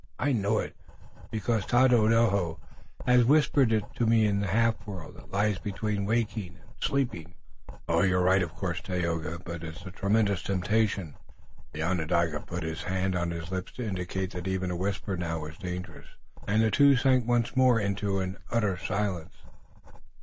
I know it, because Tododaho has whispered it to me in the half world that lies between waking and sleeping." "You're right, of course, Tayoga, but it's a tremendous temptation." The Onondaga put his hand on his lips to indicate that even a whisper now was dangerous, and the two sank once more into an utter silence.